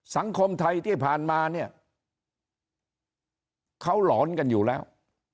สังคมไทยที่ผ่านมาเนี่ยเขาหลอนกันอยู่แล้ว